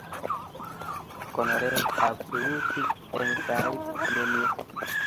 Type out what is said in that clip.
Konoret ab rurutik eng sait nemie